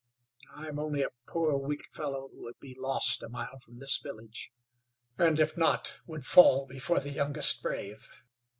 I am only a poor, weak fellow who would be lost a mile from this village, and if not, would fall before the youngest brave.